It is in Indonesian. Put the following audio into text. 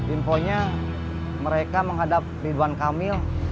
infonya mereka menghadap ridwan kamil